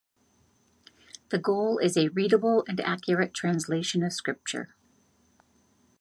The goal is a readable and accurate translation of Scripture.